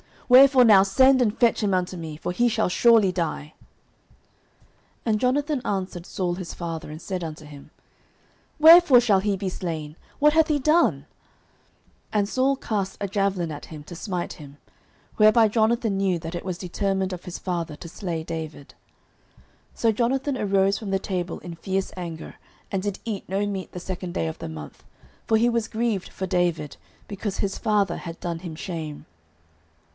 Wherefore now send and fetch him unto me, for he shall surely die. 09:020:032 And Jonathan answered Saul his father, and said unto him, Wherefore shall he be slain? what hath he done? 09:020:033 And Saul cast a javelin at him to smite him: whereby Jonathan knew that it was determined of his father to slay David. 09:020:034 So Jonathan arose from the table in fierce anger, and did eat no meat the second day of the month: for he was grieved for David, because his father had done him shame.